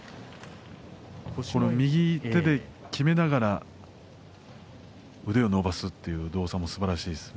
右手できめながら腕を伸ばすという動作もすばらしいです。